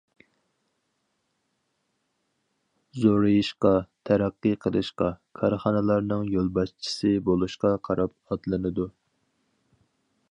زورىيىشقا، تەرەققىي قىلىشقا، كارخانىلارنىڭ يولباشچىسى بولۇشقا قاراپ ئاتلىنىدۇ.